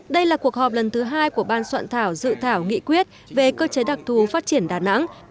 đây là cuộc họp lần thứ hai của ban soạn thảo dự thảo nghị quyết về cơ chế đặc thù phát triển đà nẵng